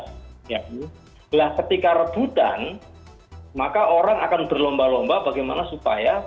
setelah ketika rebutan maka orang akan berlomba lomba bagaimana supaya